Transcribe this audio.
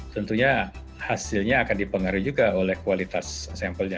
tentunya hasilnya akan dipengaruhi juga oleh kualitas sampelnya